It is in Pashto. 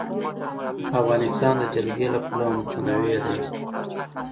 افغانستان د جلګه له پلوه متنوع دی.